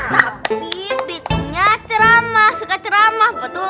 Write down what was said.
tapi bikinnya ceramah suka ceramah betul